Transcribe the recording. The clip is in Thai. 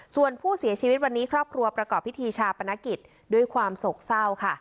ส่วนผู้เสียชีวิตวันนี้ครอบครัวประกอบพิธีชาปนกิจด้วยความโศกเศร้าค่ะ